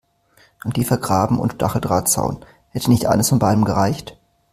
Ein tiefer Graben und Stacheldrahtzaun – hätte nicht eines von beidem gereicht?